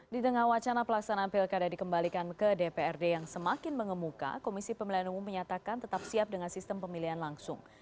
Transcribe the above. di tengah wacana pelaksanaan pilkada dikembalikan ke dprd yang semakin mengemuka komisi pemilihan umum menyatakan tetap siap dengan sistem pemilihan langsung